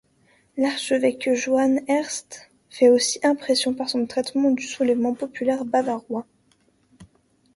L'archevêque Johann Ernst fait aussi impression par son traitement du soulèvement populaire bavarois.